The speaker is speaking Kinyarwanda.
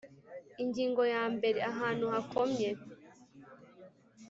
Ingingo ya mbere Ahantu hakomye